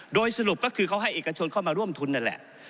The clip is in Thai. โดยสรุปก็คือเขาให้เอกชนเข้ามาร่วมทุนนั่นแหละ